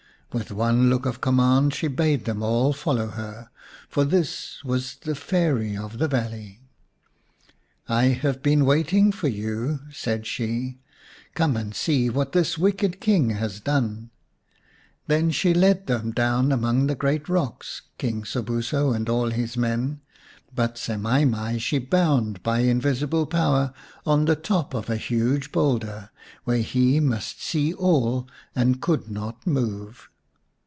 With one look of command she bade them all follow her, for this was the Fairy of the valley. " I have been waiting for you," said she. "Come and see what this wicked King has done." Then she led them down among the great rocks, King Sobuso and all his men, but Semai mai she bound by invisible power on the top of a huge boulder, where he must see all and could not move.